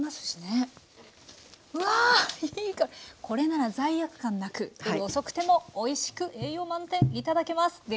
これなら罪悪感なく夜遅くてもおいしく栄養満点頂けます！